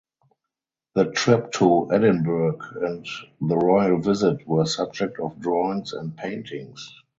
The trip to Edinburgh and the royal visit were subject of drawings and paintings.